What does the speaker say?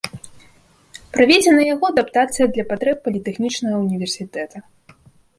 Праведзена яго адаптацыя для патрэб політэхнічнага ўніверсітэта.